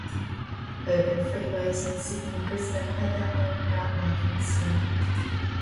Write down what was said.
Urban freeways in Sydney and Brisbane had their own route marking scheme.